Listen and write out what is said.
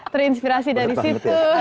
terinspirasi dari situ